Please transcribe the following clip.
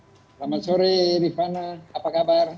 selamat sore rifana apa kabar